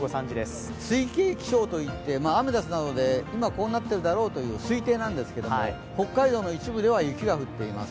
推計気象といって、アメダスなどで今、こうなっているだろうという推計なんですが北海道の一部では雪が降っています。